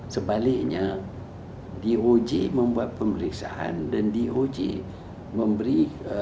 sebaliknya doj membuat pemeriksaan dan doj memberi